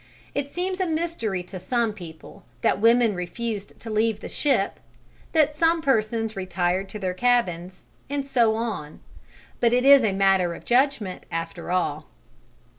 It seems a mystery to some people that women refused to leave the ship, that some persons retired to their cabins, and so on; but it is a matter of judgment, after all.